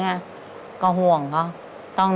อีกของโคตรค่ะ